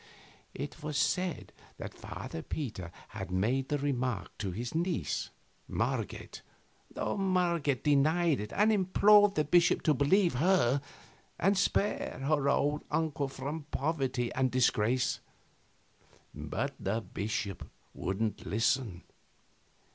It was said that Father Peter had made the remark to his niece, Marget, though Marget denied it and implored the bishop to believe her and spare her old uncle from poverty and disgrace. But the bishop wouldn't listen.